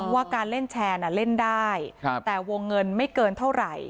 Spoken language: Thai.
ว่าการเล่นแชร์น่ะเล่นได้แต่วงเงินไม่เกินเท่าไหร่